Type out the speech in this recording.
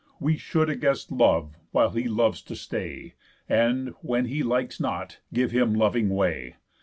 We should a guest love, while he loves to stay, And, when he likes not, give him loving way.